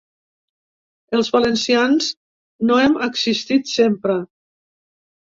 Els valencians no hem existit sempre.